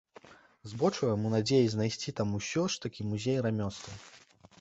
Збочваем у надзеі знайсці там усё ж такі музей рамёстваў.